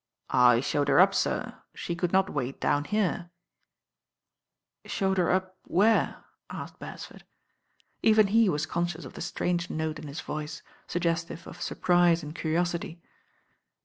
"I showed her up, sir. She couJd aot ;^ ait down here " "Showed her up where?" asked Beresford. Even he was conscious of the strange note in his voice, sug gestive of surprise and curiosity.